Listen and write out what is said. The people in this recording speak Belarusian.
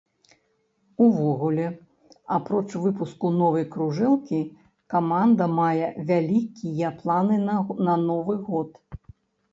Увогуле, апроч выпуску новай кружэлкі, каманда мае вялікія планы на новы год.